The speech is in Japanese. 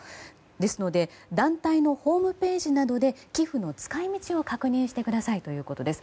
ですので団体のホームページなどで寄付の使い道を確認してくださいということです。